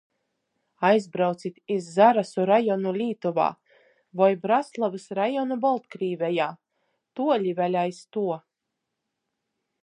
Aizbraucit iz Zarasu rajonu Leitovā voi Braslavys rajonu Boltkrīvejā! tuoli vēļ aiz ituo!